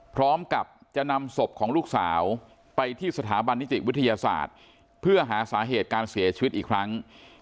พร้อมกับจะนำศพของลูกสาวไปที่สถาบันนิติวิทยาศาสตร์เพื่อหาสาเหตุการเสียชีวิตอีกครั้ง